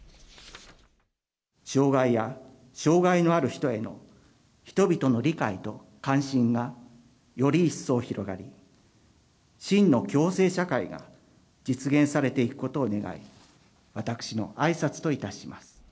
障がいや、障がいのある人への人々の理解と関心がより一層広がり、真の共生社会が実現されていくことを願い、私のあいさつといたし